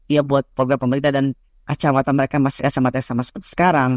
iya buat program pemerintah dan acamatan mereka masih sama seperti sekarang